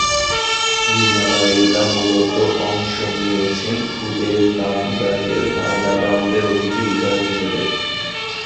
রুনা লায়লা মূলত অংশ নিয়েছেন ক্ষুদে গানরাজের ফাইনাল রাউন্ডের অতিথি বিচারক হিসেবে।